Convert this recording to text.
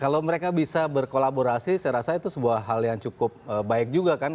kalau mereka bisa berkolaborasi saya rasa itu sebuah hal yang cukup baik juga kan